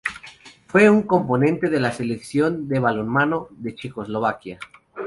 Fue un componente de la Selección de balonmano de Checoslovaquia.